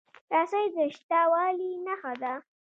رسۍ د شته والي نښه ده.